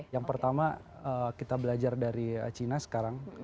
yang pertama kita belajar dari cina sekarang